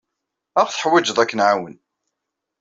Ad aɣ-teḥwijed ad k-nɛawen.